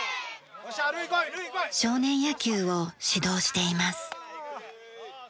少年野球を指導しています。